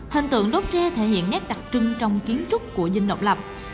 hình tượng đốt tre thể hiện nét đặc trưng trong kiến trúc của dinh độc lập